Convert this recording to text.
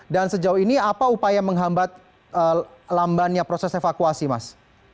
dan sejauh ini apa upaya menghambat lambannya proses evakuasi mas